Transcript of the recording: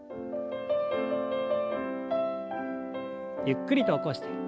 ゆっくりと起こして。